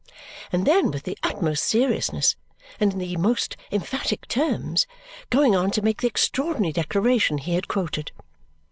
and then with the utmost seriousness, and in the most emphatic terms, going on to make the extraordinary declaration he had quoted.